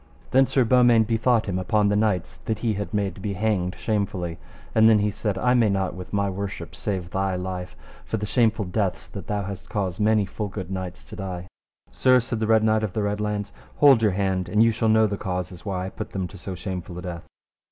Then Sir Beaumains bethought him upon the knights that he had made to be hanged shamefully, and then he said: I may not with my worship save thy life, for the shameful deaths that thou hast caused many full good knights to die. Sir, said the Red Knight of the Red Launds, hold your hand and ye shall know the causes why I put them to so shameful a death.